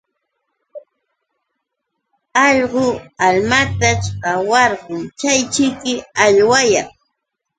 Allqu almataćh qawarqun chayćhiki awllayan.